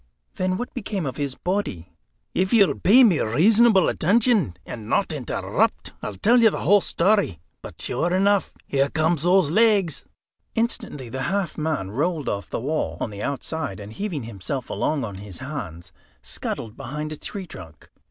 "Then, what became of his body?" "If you'll pay me reasonable attention, and not interrupt, I'll tell you the whole story. But sure enough! Here come those legs!" Instantly the half man rolled off the wall, on the outside, and heaving himself along on his hands, scuttled behind a tree trunk.